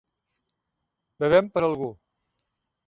Bevem per algú.